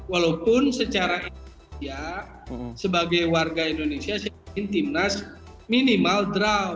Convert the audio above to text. walaupun secara indonesia sebagai warga indonesia saya ingin timnas minimal draw